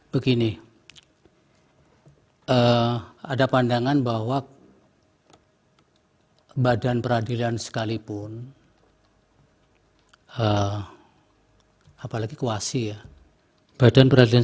begini ada pandangan bahwa badan peradilan sekalipun apalagi kuasi ya badan peradilan